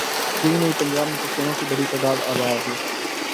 یہی نہیں پنجاب میں پختونوں کی بڑی تعداد آباد ہے۔